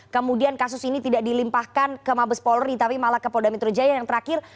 kemudian kasus ini tidak dilimpahkan ke mabes polri tapi malah ke polda metro jaya yang terakhir